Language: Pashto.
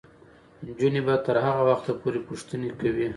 نجونې به تر هغه وخته پورې پوښتنې کوي.